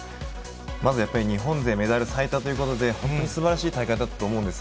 まずやっぱり、日本勢メダル最多ということで、本当にすばらしい大会だったと思うんです。